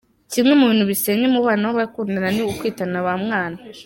Kimwe mu bintu bisenya umubano w’abakundana ni ukwitana ba mwana.